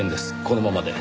このままで。